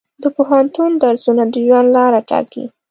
د پوهنتون درسونه د ژوند لاره ټاکي.